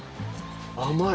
甘い。